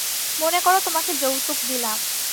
মনেকরো তোমাকে যৌতুক দিলাম।